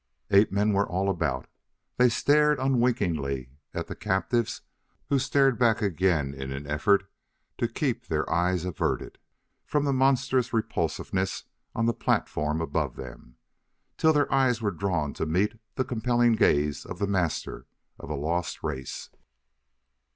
Ape men were all about; they stared unwinkingly at the captives who stared back again in an effort to keep their eyes averted from the monstrous repulsiveness on the platform above them, till their eyes were drawn to meet the compelling gaze of the "Master" of a lost race.